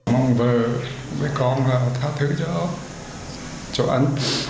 mong vợ với con là một tháng thứ giữa chỗ ăn